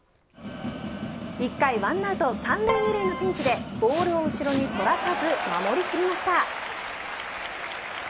１回、１アウト３塁２塁のピンチでボールを後ろにそらさず守り切りました。